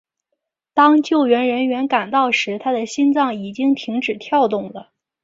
当救援人员赶到时他的心脏已经停止跳动了。